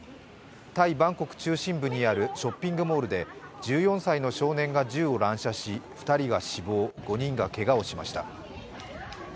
タイ・バンコク中心部にあるショッピングモールで１４歳の少年が銃を乱射し２人が死亡、５人がけがをしました。